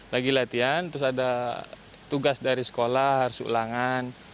lagi latihan terus ada tugas dari sekolah harus ulangan